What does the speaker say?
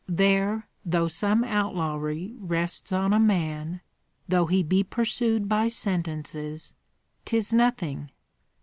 There, though some outlawry rests on a man, though he be pursued by sentences, 'tis nothing!